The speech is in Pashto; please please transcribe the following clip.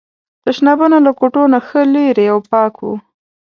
تشنابونه له کوټو نه ښه لرې او پاک وو.